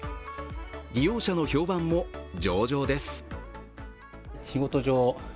利用者の評判も上々です。